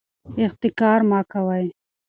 احتکار مه کوئ.